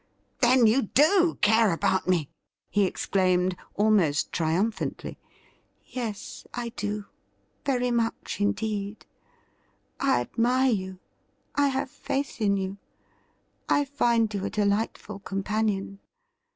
'Then, you do care about me!' he exclaimed, almost triumphantly. ' Yes, I do, very much indeed. I admire you ; I have faith in you ; I find you a delightful companion.